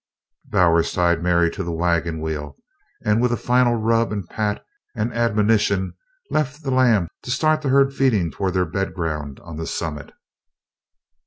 Bowers tied Mary to the wagon wheel, and, with a final rub and pat and admonition, left the lamb, to start the herd feeding toward their bed ground on the summit.